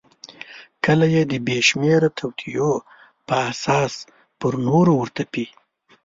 کله یې د بېشمیره توطیو په اساس پر نورو ورتپي.